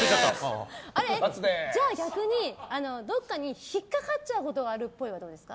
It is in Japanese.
逆にどっかにひっかかっちゃうことがあるっぽいはどうですか？